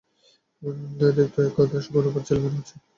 দেখেতো একগাদা গুণবান ছেলে মনে হচ্ছে।